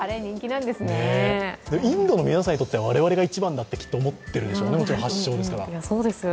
インドの皆さんにとっては我々が一番だと思っているでしょうね、発祥ですから。